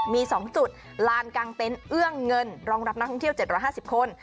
มี๒จุดลานกลางเต็นต์เอื้องเงินรองรับนักท่องเที่ยว๗๕๐คน